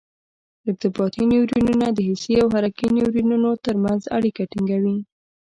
ارتباطي نیورونونه د حسي او حرکي نیورونونو تر منځ اړیکه ټینګوي.